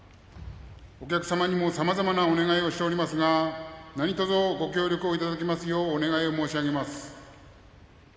お客様にも、さまざまなお願いをしておりますが何とぞ、ご協力いただけますようお願い申し上げます。